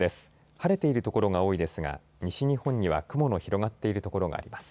晴れている所が多いですが西日本には雲の広がっている所があります。